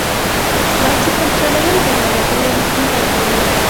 بایسکل چلول د ناروغیو مخنیوی کوي.